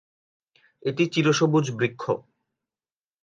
এটি চিরসবুজ বৃক্ষ।